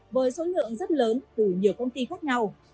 với số lượng rất lớn từ nhiều công ty khác nhau